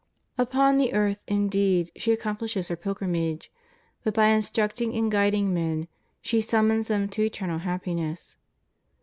Upon this earth indeed she accomphshes her pilgrimage, but by instructing and guiding men, she summons them to eternal happiness.